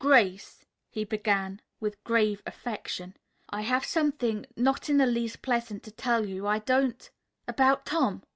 "Grace," he began with grave affection, "I have something not in the least pleasant to tell you. I don't " "About Tom?"